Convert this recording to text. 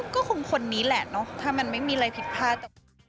ก็คงคนนี้แหละเนอะถ้ามันไม่มีอะไรผิดพลาด